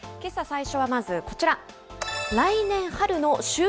最初はまず、こちら。